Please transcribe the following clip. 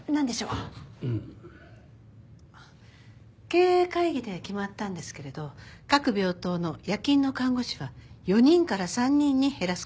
うん。経営会議で決まったんですけれど各病棟の夜勤の看護師は４人から３人に減らす事になりました。